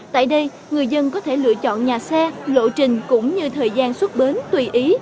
tại đây người dân có thể lựa chọn nhà xe lộ trình cũng như thời gian xuất bến tùy ý